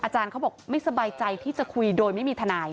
อาจารย์เขาบอกไม่สบายใจที่จะคุยโดยไม่มีทนาย